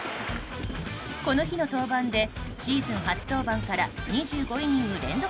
この日の登板でシーズン初登板から２５イニング連続